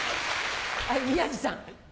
宮治さん。